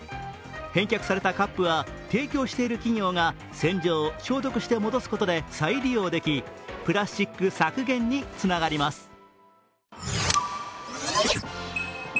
返却されたカップは提供している企業が洗浄・消毒して返すことで再利用でき、プラスチック削減につながります。